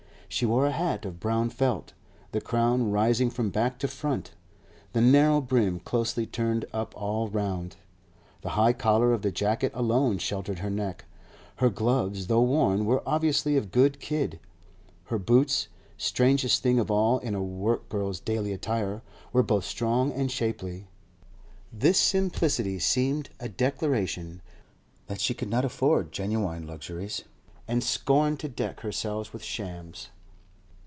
She wore a hat of brown felt, the crown rising from back to front, the narrow brim closely turned up all round. The high collar of the jacket alone sheltered her neck. Her gloves, though worn, were obviously of good kid; her boots—strangest thing of all in a work girl's daily attire—were both strong and shapely. This simplicity seemed a declaration that she could not afford genuine luxuries and scorned to deck herself with shams.